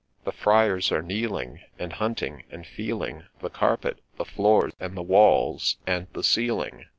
The Friars are kneeling, And hunting, and feeling The carpet, the floor, and the walls, and the ceiling.